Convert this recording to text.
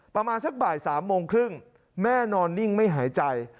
ประมาณสักบ่าย๓โมงครึ่งแม่นอนนิ่งไม่หายใจ